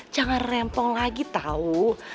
jangan rempong lagi tau